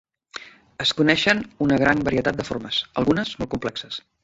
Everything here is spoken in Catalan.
Es coneixen una gran varietat de formes, algunes molt complexes.